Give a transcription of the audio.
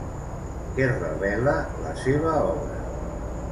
Què revela la seva obra?